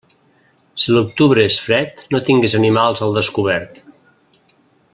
Si l'octubre és fred, no tingues animals al descobert.